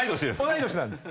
同い年なんです。